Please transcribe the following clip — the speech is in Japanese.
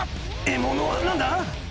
獲物は何だ？